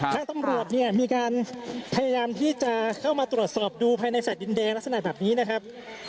ทางตำรวจเนี่ยมีการพยายามที่จะเข้ามาตรวจสอบดูภายในแฟลตดินแดงลักษณะแบบนี้นะครับ